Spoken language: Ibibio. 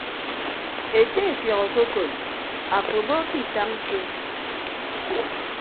Ete efiọk okokon afo abo ke itañ so.